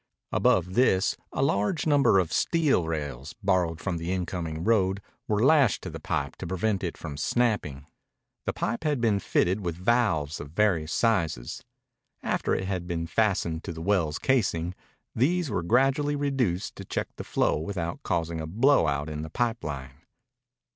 Above this a large number of steel rails, borrowed from the incoming road, were lashed to the pipe to prevent it from snapping. The pipe had been fitted with valves of various sizes. After it had been fastened to the well's casing, these were gradually reduced to check the flow without causing a blowout in the pipe line.